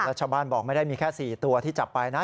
แล้วชาวบ้านบอกไม่ได้มีแค่๔ตัวที่จับไปนะ